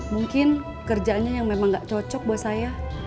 mungkin kerjaannya yang memang gak cocok buat saya